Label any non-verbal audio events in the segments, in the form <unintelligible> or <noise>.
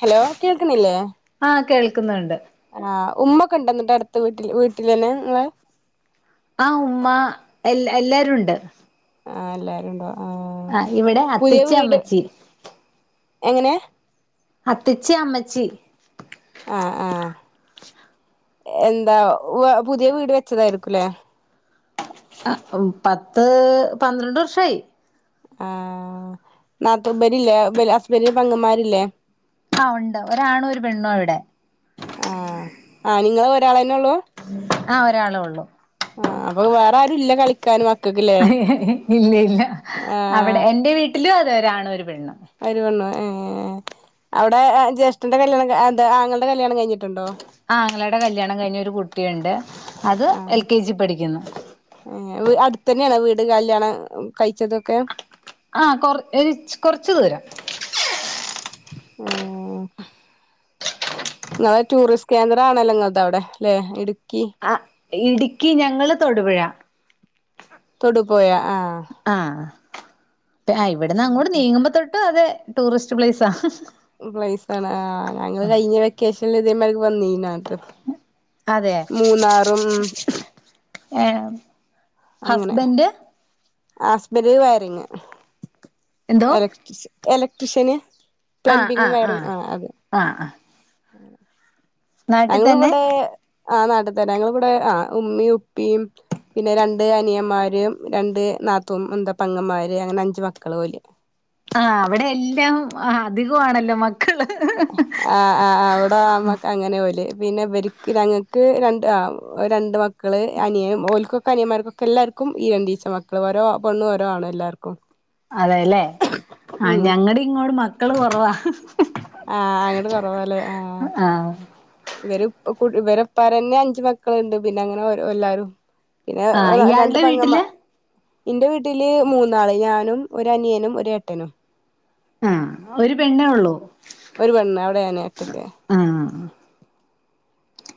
Hello കേൾക്ക്ണില്ലേ ആഹ് കേൾക്കുന്നുണ്ട് ആഹ് ഉമ്മ ഒക്കെ ഉണ്ടന്നിട്ടോ അടുത്ത വീട്ടിൽ വീട്ടിൽ തന്നെ നിങ്ങളെ ആഹ് ഉമ്മ എ എല്ലരുണ്ട് ആഹ് എല്ലാരും ഉണ്ടോ ആഹ് ഇവിടെ അത്തച്ചി അമ്മച്ചി എങ്ങനെയാ അത്തച്ചി അമ്മച്ചി ആഹ് ആഹ് എന്താ പുതിയ വീട് വെച്ചതായിരിക്കുംല്ലേ ആഹ് പത്ത് പന്ത്രണ്ട് വർഷായി ആഹ് നാത്തൂപരില്ലേ <unintelligible> ഹസ്ബന്റിന്റെ പെങ്ങമ്മാരില്ലേ ആഹ് ഉണ്ട് ഒരാണു ഒരു പെണ്ണോ ഇവിടെ ആഹ് ആഹ് നിങ്ങള് ഒരാളന്നെ ഉള്ളൂ ആഹ് ഒരാള് ഒള്ളൂ ആഹ് അപ്പൊ വേറെ ആരും ഇല്ല കളി ക്കാൻ മക്കക്കില്ലെ ഇല്ല ഇല്ല അവിടെ ആഹ് എന്റെ വീട്ടിലും അതെ ഒരാണ് ഒരു പെണ്ണ് ഒരു പെണ്ണ് ഏഹ് അവിടെ ജ്യേഷ്ഠൻ്ന്റെ കല്യാണം എന്താ ആങ്ങള്ടെ കല്യാണം കഴിഞ്ഞിട്ടുണ്ടോ? ആങ്ങളുടെ കല്ല്യാണം കഴിഞ്ഞൊരു കുട്ടിയുണ്ട് അത് എൽ കെ ജി പഠിക്കുന്നു ഏപ് അടുത്ത തന്നെയാണ് വീട് കാലാണ് കഴിച്ചതൊക്കെ ആഹ് കൊ ഒരു കൊറച്ച് ദൂരെ എഹ് ഇങ്ങള് ടൂറിസ്റ്റ് കേന്ദ്രണല്ലോ നിങ്ങൾ തവിടെ ല്ലേ ഇടുക്കി ആഹ് ഇടുക്കി ഞങ്ങള് തൊടുപുഴ തൊടുപുഴ ആഹ് ആഹ് ഇവിടുന്ന് അങ്ങട്ട് അങ്ങനത്തെ നീങ്ങുമ്പോ തൊട്ടെ അതേ ടൂറിസ്റ്റ് പ്ലേസ പ്ലേസ്സണ് ആഹ് ഞങ്ങള് കഴിഞ്ഞ വെക്കേഷനില് ഇതേമാരിക്ക് വന്നീനാ അതെ ഏഹ് അങ്ങനെ ഹസ്ബൻഡ് ഹസ്ബന്റ് വയറിങ് എന്തോ ഇല എലക്ട്രിഷന് ആഹ് ആഹ് ആഹ് ആഹ് ആഹ് നാട്ടിൽ അങ്ങ് തന്നെ ഇവിടെ ആഹ് നാട്ട് തന്നെ ഞങ്ങള് വടെ ആഹ് ഉമ്മയും ഉപ്പിയും പിന്നെ രണ്ട് അനിയന്മാര് രണ്ട് നാത്തൂ ന്താ പെങ്ങന്മാര് അങ്ങനെ അഞ്ച് മക്കള് പോലെ ആഹ് അവിടെ എല്ലാം അധികമാണല്ലോ മ ആഹ് ആഹ് അവിടെ അമ്മ അങ്ങനെ ഓല് പിന്നെ വര്ക്ക് ഞങ്ങക്ക് രണ്ട് ആഹ് രണ്ട് മ ക്കള് അനിയ ഓലക്കൊക്കെ അനിയമാർക്കൊക്കെ എല്ലാർക്കും ഈ രണ്ട ഈച്ച മക്കൾ ഓരോ പെണ്ണ് ഓരാണ് എല്ലാർക്കും അതെല്ലേ ആഹ് ഉം ഞങ്ങട ങ്ങോട് മക്കള് കൊറവാ ആഹ് അങ്ങട് കൊറവല്ലേ ആഹ് ഇവര് ഇവര്പ്പാരന്നെ അഞ്ചു മക്കളുണ്ട് പിന്നെ അങ്ങനെ എല്ലാരും പിന്നെ ആഹ് രണ്ട് ഇയാളുടെ പെങ്ങമ്മ വീട്ടില് ഇന്റെ വീട്ടില് മൂന്നാള് ഞാനും ഒരു അനിയനും ഒരെട്ടനും ആഹ് ഒരു പെണ്ണേ ഒള്ളൂ ഒരു പെണ്ണ് അവിടെനെ ഒറ്റക്ക് ആഹ് അഹ്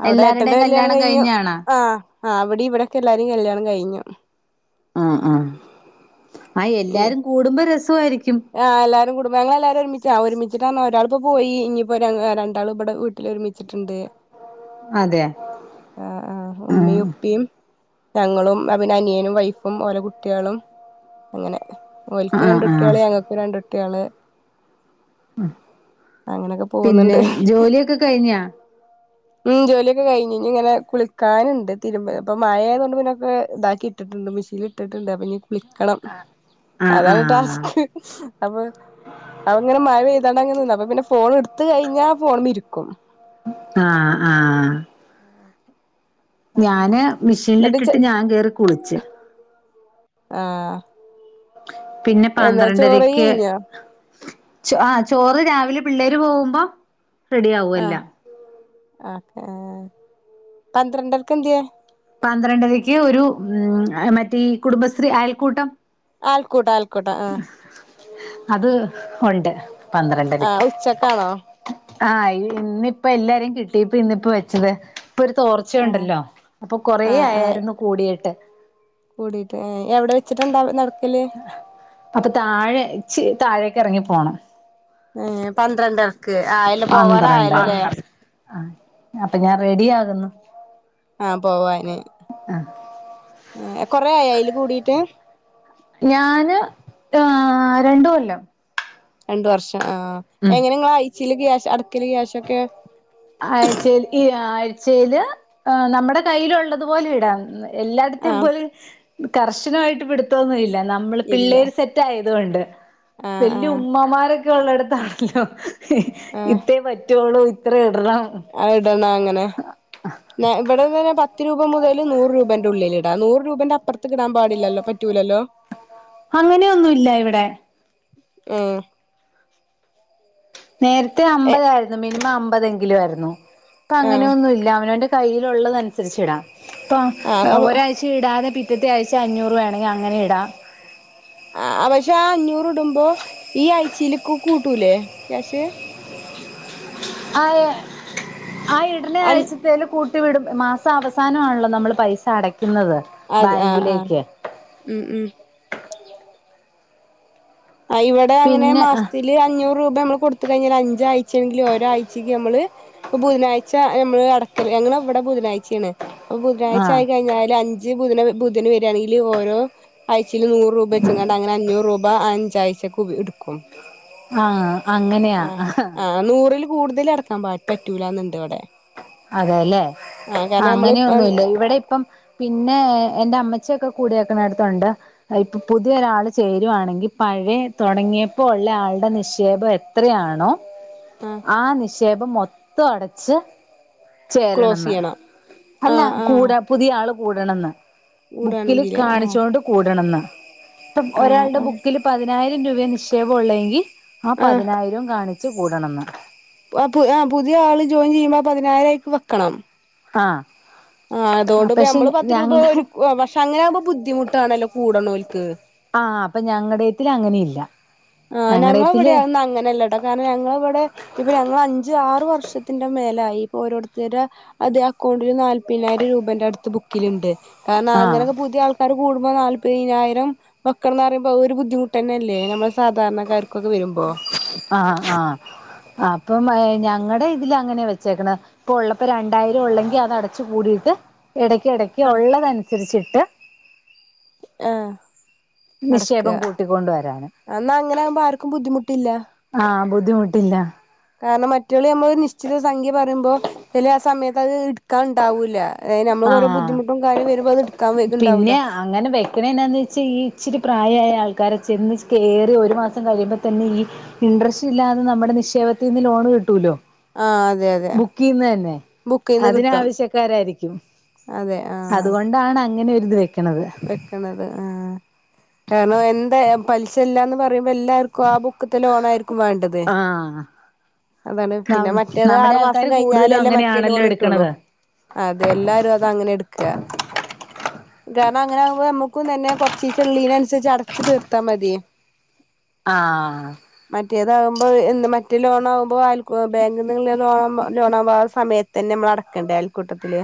അവിടെ ഏട്ടന്റെ കല്യാണം കഴിഞ്ഞു ആന് ആഹ് അവിടെ ഇവിടെക്കെ എല്ലാരും കല്യാണം കഴിഞ്ഞു ആഹ് ആഹ് എല്ലാരും കൂടുമ്പോ രസയിരിക്കും ആഹ് എല്ലാരും കുടുംബങ്ങള എല്ലാരും ഒരുമിച്ച ആ ഒരുമിച്ചിട്ടന്ന ഒരാള ഇപ്പോ പോയി ഇനിയിപ്പോ രണ്ടാളും ഇവിടെ വീട്ടിൽണ്ട് ത്ത്ട്ട്ണ്ട് അതെ ആഹ് ആഹ് ഉമ്മയും ഉപ്പിയും ഞങ്ങളും അഹ് വിന്നെ അനിയനും വൈഫും ഓരോ കുട്ടിയളും അങ്ങനെ ഓൽക്ക് ആഹ് രണ്ട് കുട്ട് ആഹ് ക്ക് രണ്ടുട്ടിയള് അങ്ങനൊ പിന്നെ പോവുന്നുണ്ട് ജോലിയൊക്കെ കഴിഞ്ഞാ ഉം ജോലിയൊക്കെ കഴിഞ്ഞ് ഇനി ഇങ്ങനെ കുളിക്കാനുണ്ട് തിരുമ്പ അപ്പ മഴയന്ന് പിന്നെക്കെ ഇതാക്കി ഇട്ടിട്ട്ണ്ട് മിഷീൻ ഇട്ടിട്ടുണ്ട് അപ്പൊ ഇഞ്ഞ് കുളിക്കണം ആഹ് അതാണ് ടാസ് ആഹ് അപ്പൊ അപ്പങ്ങന മഴ പെയ്താണ്ട് അങ്ങന നിന്ന അപ്പൊ പിന്നെ ഫോൺ എടുത്ത് കഴിഞ്ഞാ പിന്നെ ഫോൺ മ്മലിരിക്കും ആഹ് ആഹ് ആഹ് ഞാന് എന്നിട്ട് ചെ മെഷീനിലിട്ടിട്ട് ഞാൻ കയറി കുളിച്ചു ആഹ് പിന്നെ എന്നാ ചോറെയി പന്ത്രണ്ടരക്ക് കഴിഞ്ഞോ അഹ് ചോറ് രാവിലെ പിള്ളേര് പോകുമ്പോ റെഡി ആവു എല്ലാം ഒക്കെ പന്ത്രണ്ടർക്ക് എന്ത്യേ പന്ത്രണ്ടരേക്ക് ഒരു ഉം മറ്റേ കുടുംബശ്രീ അയൽക്കൂട്ടം ആൾക്കൂട്ടാ ആൾക്കൂട്ടാ ആഹ് അത് ഉണ്ട് ആഹ് പന്ത്രണ്ടരക്ക് ഉച്ചക്കാണോ ആഹ് ഇന്നിപ്പോ എല്ലാരേു കിട്ടിപ്പ ഇന്നിപ്പോ വെച്ചത് ഇപ്പ ഒരു ആഹ് ചോർച്ചയുണ്ടല്ലോ അപ്പോ കുറേ ആയായിരുന്നു കൂടിയിട്ട് കൂടിയിട്ട് ഏഹ് എവിടെ വെച്ചിട്ടുണ്ടാവ നടക്കല് അത് താഴെച്ച് താഴേക്ക് ഇറങ്ങി പോണം ഏ പന്ത്രണ്ടരക്ക് ആയല്ലോ പോവാൻ ആയല്ലോല്ലേ അഹ് അപ്പൊ ഞാൻ റെഡി ആകുന്നു അഹ് പോവാന് കുറെ ആയോ ആയിൽ കൂടിയിട്ട് ഞാന് അഹ് രണ്ട് കൊല്ലം രണ്ട് വർഷം അഹ് ഉം എങ്ങനെ നിങ്ങൾ ആയിച്ചില് ക്യാഷ് അടക്കില് ക്യാഷൊക്കെ ആഴ്ച ഈ ആഴ്ചയില് നമ്മുടെ കയ്യിലുള്ളതു പോലെ ഇടാന്ന് എല്ലായിടത്തേ ആഹ് പോലും കർശനമായിട്ട് പിടുത്തൊന്നു ഇല്ല നമ്മള് ഇല്ല പിള്ളേര് സെ റ്റായത് കൊണ്ട് ആഹ് വല്യ ആഹ് ഉമ്മമാരൊക്കെ ഉള്ളടത്താണല്ലോ ആഹ് ഇത്രേ പറ്റുള്ളൂ ഇത്ര ഇടണം അഹ് ഇടണോ അങ്ങനെ ഇവിടെ തന്നെ പത്ത് രൂപ മുതൽ നൂറ് രൂപേന്റെ ഉള്ളിൽ ഇടാ നൂറ് രൂപന്റെ അപ്പറ ത്തേക്കിടാൻ പാടില്ലല്ലോ പറ്റൂലല്ലോ അങ്ങനെയൊന്നുല്ല ഇവിടെ ഹ്മ്മ് നേരത്തെ അമ്പതായിരുന്നു മിനിമം അമ്പതെങ്കിലും ആയിരുന്നു ഇപ്പൊ അങ്ങനെയൊന്നുല്ല അവനോന്റെ കയ്യിലുള്ളനുസരിച്ച ഇടാം ആഹ് ഇപ്പ ആഹ് ഒരാഴ് ചാ ഇടതെ പിറ്റേതെ ആഴ്ച അഞ്ഞൂറ് വേണെങ്കിൽ അങ്ങനെ ഇടാം അഹ് പക്ഷെ ആഹ് അഞ്ഞൂറ് ഇടുമ്പോ ഈ ആഴ്ചയിലേക്ക് കൂട്ടൂലേ ക്യാഷ് അഹ് ആഹ് ഇടണെ അ ആഴ്ച ന്നേലും കൂട്ടി വിടും മാസം അവസാനം ആണല്ലോ നമ്മൾ പൈസ അടയ്ക്കുന്നത് അതെ ആഹ് ആഹ് ബാങ്കിലേക്ക് ഉം ഉം ആഹ് ഇവിടെ അങ്ങനെ പിന്നെ മാസ്തി ഇതിൽ അഞ്ഞൂറ് രൂപ നമ്മള് കൊടുത്തു കഴിഞ്ഞാൽ അഞ്ചായ്ച്ചെങ്കിലും ഒരു ആഴ്ച്ചങ്കിലും നമ്മള് ഇപ്പൊ ബുധനാഴ്ച നമ്മള് അടക്കൽ ഞങ്ങൾ ഇവിടെ ബുധനാഴ്ചയാണ് അപ്പൊ ആ ബുധനാഴ്ച ആയി കഴിഞ്ഞാല് അഞ്ച് ബുധന ബുധന് വരിയാണെങ്കിൽ ഓരോ ആഴ്ചയിൽ നൂറ് രൂപ വെച്ചങ്ങണ്ട് അങ്ങനെ അഞ്ഞൂറ് രൂപ അഞ്ചാഴ്ചക്ക്ടും അഹ് അങ്ങനെയ അഹ് നൂറിൽ കൂടുതൽ അടക്കാൻ പ പറ്റൂലാന്നുണ്ട് ഇവിടെ അതെല്ലേ ആ കാരണം നമ്മള് അങ്ങനെയൊന്നുല്ല ഇവിടെ പ്പം പിന്നെ എന്റെ അമ്മചിക്കെ കൂടി വക്കണടുത്തുണ്ട് അത് ഇപ്പൊ പുതിയ ഒരാള് ചേരുവാണെങ്കിൽ പഴയ തുടങ്ങിയപ്പോ ഉള്ള ആളുടെ നിക്ഷേപം എത്രയാണോ അഹ് ആഹ് നിക്ഷേപം മൊത്തം അടച്ച് ക്ലോസ് ചേരണന്ന് ചെയ്യണം ആ അല്ല ആ കൂടാ പുതിയ ആള് കൂടണന്ന് ബുക്കില് കൂടാണെങ്കില് ആ കാണിച്ചോണ്ട് കൂടണന്ന് ഇപ്പം ആ ഒരാളുടെ ആ ബുക്കില് പതിനായിരം രൂപയാ നിക്ഷേപം ഒള്ളെയെങ്കി ആഹ് ആ പതിനായിരോം കാണിച്ച് കൂടണന്ന് ആഹ് പുതിയ ആള് ജോയിൻ ചെയ്യുമ്പോ ആ പതിനായിരയിക്ക് വെക്കണം ആഹ് ആഹ് അതുകൊണ്ട് ഇപ്പ നമ്മള് പത്ത് രൂപ ഒരു പക്ഷെ അങ്ങനെ ആകുമ്പോ ബുദ്ധിമുട്ടാണല്ലോ കൂടണോൽക്ക് ആഹ് അപ്പൊ ഞങ്ങടെത്തില് അങ്ങനെ ഒന്നും ഇല്ലാ ആഹ് ഞങ്ങെളെവിടെ ഒന്നും അങ്ങനല്ലെടാ കാരണം ഞങ്ങളിവിടെ ഇപ്പ ഞങ്ങൾ അഞ്ച് ആറ് വർഷത്തിന്റെ മേലായി ഇപ്പൊ ഓരോരുത്തര്ടെ അതെ അക്കൗണ്ടില് നാല്പ്പയിനായിരം രൂപന്റെടുത്ത് ബുക്കിലുണ്ട് കാരണ ആഹ് അങ്ങനെക്കെ പുതിയ ആൾ ക്കാര് കൂടുമ്പം നാല്പ്പയിനായിരം വെക്കണെന്ന് പറയുമ്പം അത് ഒര് ബുദ്ധിമുട്ട് തന്നെയല്ലേ നമ്മള് സാധാരണക്കാർക്കൊക്കെ വരുമ്പോ ആഹ് ആഹ് അപ്പം ഞങ്ങടെ ഇതില് അങ്ങനെ വെച്ചേക്കണെ ഇപ്പൊ ഒള്ളപ്പോ രണ്ടായിരെ ഒള്ളെങ്കി അത് അടച്ച് കൂടീട്ട് എടയ്ക്കെടക്ക് ആ ഒള്ളതനുസരിച്ചിട്ട് ആഹ് നിക്ഷേപം അടക്കാ കൂട്ടിക്കൊണ്ട് വരാന് എന്നാ അങ്ങനാവുമ്പം ആർക്കും ബുദ്ധിമുട്ടില്ലാ ആഹ് ബുദ്ധിമുട്ടില്ലാ കാരണം മറ്റൊളി നമ്മള് ഒരു നിശ്ചിത സംഖ്യ പറയുമ്പോ ചെല സമയത്ത് അത് ഇട്ക്കാണ്ടാവൂലാ അയി ഞമ്മൾക്കോരോ ആഹ് ബുദ്ധിമുട്ടും കാര്യോം വരുമ്പോ അതെടുക്കാ വെക് ഇത്ണ്ടാവൂല്ലാ പിന്നെ അങ്ങനെ വെക്കണ എന്നാന്ന് വെച്ചാ ഈ ഇച്ചിരി പ്രായായ ആൾക്കാരെ ചെന്ന് കേറി ഒരു മാസം കഴിയുമ്പ തന്നെ ഈ ഇൻട്രസ്റ്റ് ഇല്ലാതെ നമ്മടെ നിക്ഷേപത്തിന്ന് ലോണ് കിട്ടൂലോ ആ അതെ അതെ ബുക്കീന്ന് തന്നെ ബുക്കീന്ന് കിട്ടും അതിനാവശ്യക്കാരായിരിക്കും അതെ ആഹ് ണ്ടാണ് അങ്ങനൊരിത് വെക്കണത് വെക്കണത് ആഹ് കാരണം എന്താ പലിശില്ലാന്ന് പറയുമ്പ എല്ലാർ ക്കും ആ ബുക്ക്ത്തെ ലോണായിരിക്കും വേണ്ടത് ആഹ് അതാണ് പിന്നെ മറ്റേത് നമ്മുടെ ആറു മാസം ആൾക്കാര് കൂടുതലും കഴിഞ്ഞാലല്ലേ മറ്റേ അങ്ങനെയാണല്ലോ ലോണ് കിട്ടുള്ളു എടുക്കണത് അതെ എല്ലാരും അതങ്ങനെട്ക്കാ കാരണം അങ്ങനാവുമ്പം നമ്മക്കും തന്നെ കൊറച്ചീച്ചെ ഇള്ളീനനുസരിച്ച് അടച്ചു തീർത്താ മതി ആഹ് മറ്റേതാകുമ്പോ എൻ മറ്റേ ലോണാവുമ്പ അയിൽ ബാങ്കിൽന്ന്ള്ള ലോണ ലോണാവുമ്പം ആ സമയത് ത്തെന്നെ നമ്മളടക്കണ്ടേ അയൽക്കൂട്ടത്തില്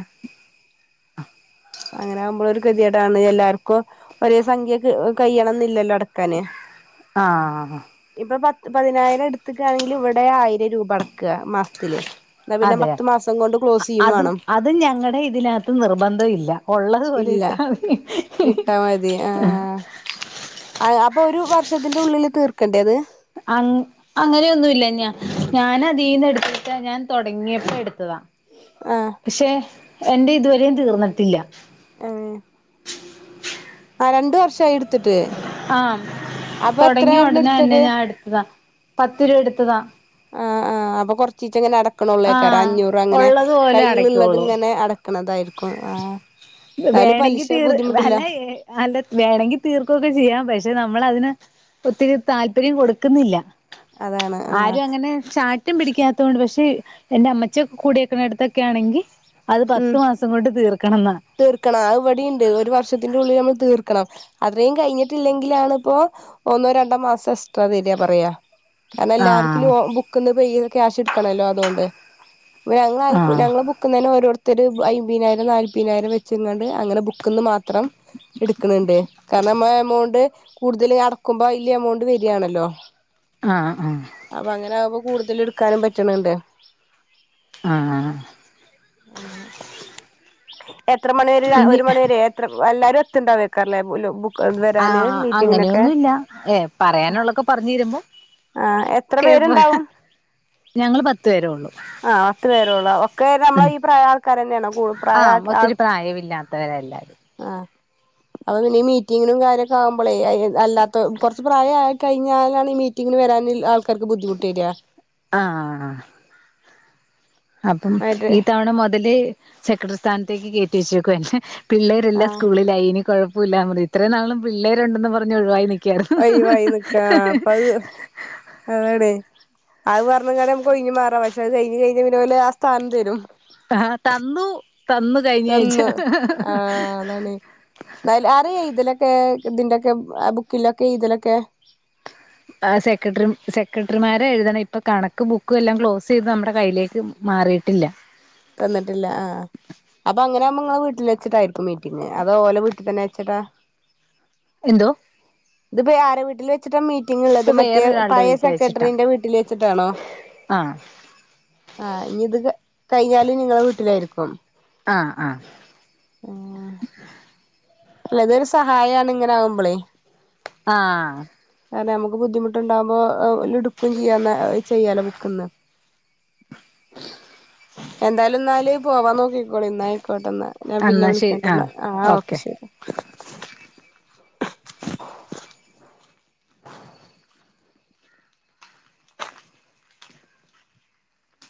അങ്ങനാകുമ്പളൊരു ഗതിയേടാണ് എല്ലാർക്കും ഒരേ സംഖ്യ ക് കയ്യണന്നില്ലല്ലോ അടക്കാന് ആഹ് ആഹ് ആഹ് ഇപ്പ പത്ത് പതിനായിരം എടുത്ത്ക്കണെങ്കില് ഇവിടെ ആയിരം രൂപ അടക്കാ മാസത്തില് ഇന്നാ പിന്നെ പത്ത് മാസം കൊണ്ട് ക്ലോസ് ആഹ് ചെയ്യും അതും വേണം അത് ഞങ്ങടെ ഇതിനാത്ത് നിർബന്ധയില്ലാ ഒള്ളതു പോലെ ഇല്ല ഇട്ടാ മതി ഇട്ടാ മതി ആഹ് അത് അപ്പൊ ഒരു വർഷത്തിന്റെ ഉള്ളില് തീർക്കണ്ടേ അത് അങ്ങ് അങ്ങനെയൊന്നുല്ലാ ഞാ ഞാനതീന്ന് എടുത്തിട്ടാ ഞാൻ തൊടങ്ങിയപ്പോ എടുത്തതാ ആഹ് പക്ഷെ എന്റെയിതുവരെയും തീർന്നിട്ടില്ലാ ഏഹ് ആഹ് രണ്ട് വർഷായോ എടുത്തിട്ട്? ആഹ് അപ്പൊ തൊടങ്ങിയ എത്രയായിരുന്നു ഒടനെ എടുത്തത് തന്നെ ഞാനെടുത്തതാ പത്ത് രൂപ എടുത്തതാ ആഹ് ആഹ് അപ്പ കൊറച്ചീച്ചങ്ങനെ അടക്ക്ണൊള്ളേക്കാരം ആഹ് അഞ്ഞൂറ് അങ്ങനെ ഉള്ളത് പോലെ കയ്യിൽ ഇള്ളത് അടയ്ക്കുള്ളൂ ഇങ്ങനെ അട അടക്കണതായിരിക്കും ആഹ് എന്നാലും വേണങ്കി പലിശ തീർ ബുദ്ധിമുട്ടില്ല അല്ല ഏഹ് അല്ലെ വേണങ്കി തീർക്കുവൊക്കെ ചെയ്യാം പക്ഷെ നമ്മളതിന് ഒത്തിരി താല്പര്യം കൊടുക്കുന്നില്ല അതാണ് ആഹ് ആരും അങ്ങനെ ച ശാഠ്യം പിടിക്കാത്തോണ്ട് പക്ഷെ എന്റെ അമ്മച്ചിയൊക്കെ കൂടിയക്കണ അടുത്തൊക്കെ ആണെങ്കി അത് ഉം പത്ത് മാസം കൊണ്ട് തീർക്കണംന്നാ തീർക്കണം അത്‌ ഇവടിംണ്ട് ഒരു വർഷത്തിന്റെ ഉള്ളിൽ നമ്മള് തീർക്കണം അത്രയും കഴിഞ്ഞിട്ടില്ലെങ്കിലാണിപ്പോ ഒന്നോ രണ്ടോ മാസം എക്സ്ട്രാ തരാ പറയാ കാരണെല്ലാർക്കും ലോ ആഹ് ബുക്ക്ന്ന് പേയ്ത് ക്യാഷ് എടുക്കണല്ലോ അതുകൊണ്ട് <unintelligible> ഞങ്ങൾ ആഹ് ബുക്ക്‌ ബുക്കുന്ന്ന്നെ ഓരോരുത്തരു അയിമ്പിനായിരം നാല്പയിനായിരം വെച്ച്ങ്ങാണ്ട് അങ്ങനെ ബുക്ക്ന്ന് മാത്രം എടുക്ക്ണുണ്ട് കാരണം നമ്മളാ ആ എമൗണ്ട് കൂടുതല് അടക്കുമ്പോ വല്യ എമൗണ്ട് വരിയാണല്ലോ ആഹ് ആഹ് അപ്പങ്ങനാവുമ്പം കൂടുതലെടുക്കാനും പറ്റ്ണണ്ട് ഉം എത്ര മണി വരെ ഇനി ഒരു മണിവരെ അത്ര അല്ലാരും അത്ത്ണ്ടാവേക്കാരം ലെ <unintelligible> ആഹ് അങ്ങനെയൊന്നുല്ല ഏ പറയാനുള്ളൊക്കെ പറഞീരുമ്പോ ആഹ് എത്ര പേര്ണ്ടാവും ഞങ്ങള് പത്തു പേരേ ഉള്ളൂ ആഹ് പത്ത് പേരൊള്ളു ഒക്കെ നമ്മളെ ഈ പ്രായാൾക്കാരെന്നെണ് കൂടു പ്രായ ആഹ് ആൾ ഒത്തിരി ക്കെ പ്രായമില്ലാത്തവരാ എല്ലാരും ആൾ ആഹ് അത് പിന്നെ ഈ മീറ്റിങ്ങിനും കാര്യൊക്കെ ആവ്മ്പളേ അയ് അല്ലാത്ത കൊറച്ച് പ്രായായി കഴിഞ്ഞാലാണ് ഈ മീറ്റ മീറ്റിങ്ങിന് വരാന്ള്ള ആൾക്കാർക്ക് ബുദ്ധിമുട്ട് വരാ ആഹാ അപ്പം ആയിട്ട് ഈ തവണ മൊതല് സെക്രട്ടറി സ്ഥാനത്തേക്ക് കേറ്റി വെച്ചേക്കുവാ എന്നെ ആ പിള്ളേരെല്ലം സ്കൂളിലായി ഇനി കൊഴപ്പൂല്ലാ പറ ഇത്രേം നാളും പിള്ളേരുണ്ടെന്ന് പറഞ്ഞ് ഒഴിവായി നി ഒയിവായി നിക്കാ അപ്പൊ അത്‌ അതാണെ അത് പറഞ്കാണ്ട് ഞമ്മക്കൊയ്ഞ് മാറ പക്ഷെ അത് കയ്ഞ് കയിഞ്ഞാ പിന്നോലാസ്ഥാനം തരും ആഹ് തന്നു തന്നു കഴിഞ്ഞാഴ്ച്ച തന്ന് ന്തായാലും ആരാ എയ്തലൊക്കെ ഇതിന്റൊക്കെ ബുക്കിലൊക്കെ എയ്തലൊക്കെ ആഹ് സെക്രട്ടറി സെക്രട്ടറിമാരെഴുതണം ഇപ്പൊ കണക്കും ബുക്കും എല്ലാം ക്ലോസ് ചെയ്ത് നമ്മടെ കയ്യിലേക്ക് മാറീട്ടില്ല തന്നിട്ടില്ല ആഹ് അപ്പങ്ങനാവുമ്പോ ഇങ്ങളെ വീട്ടിലെചിട്ടായിരിക്കും മീറ്റിംഗ് അതോ ഓലെ വീട്ടി തന്നെ വെച്ചിട്ടാ എന്തോ ഇതിപ്പ ഈ ആരെ വീട്ടില് വെച്ചിട്ടാണ് മീറ്റിംഗ്ള്ളത് ഇപ്പൊ മറ്റേ വേറൊരാളുടെ പഴെ സെക്രട്ടറിന്റെ വീട്ടിൽ വെച്ചിട്ടാണോ ആഹ ആഹ് ഇഞ്ഞിത് കയിഞ്ഞാല് നിങ്ങളെ വീട്ടിലായിരിക്കും ആഹ ആഹ ഏഹ് അല്ല അതൊരു സഹായാണ് ഇങ്ങനാവ്മ്പളേ ആഹ് നമ്മക്ക് ബുദ്ധിമുട്ട്ണ്ടാവ്മ്പൊ ഇട്ക്കും ചെയ്യാ ആ ചെയ്യാലൊ ബുക്ക്ന്ന് <unintelligible> എന്തായാലും ഇന്നാല് പോവാൻ നോക്കിക്കോളി ഇന്ന ആയിക്കോട്ടന്ന ഞാൻ പിന്നെ എന്നാ ശരി വിളിക്കണ്ട് ന്ന ആഹ് ആ ഓക്കെ ശരി